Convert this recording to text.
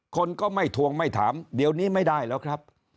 คนก็ไม่ทวงไม่ถามเดี๋ยวนี้ไม่ได้แล้วครับ